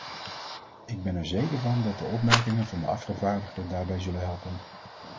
Ik ben er zeker van dat de opmerkingen van de afgevaardigde daarbij zullen helpen.